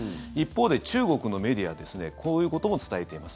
一方で中国のメディアですねこういうことも伝えています。